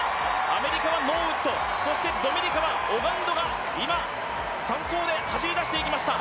アメリカはノーウッド、そしてドミニカはオガンドが今、３走で走り出していきました。